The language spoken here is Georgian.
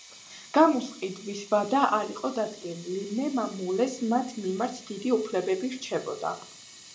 გამოსყიდვის ვადა არ იყო დადგენილი, მემამულეს მათ მიმართ დიდი უფლებები რჩებოდა.